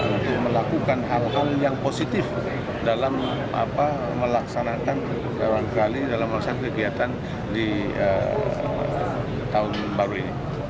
untuk melakukan hal hal yang positif dalam melaksanakan kegiatan di tahun baru ini